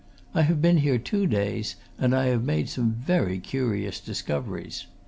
I have been here two days, and I have made some very curious discoveries.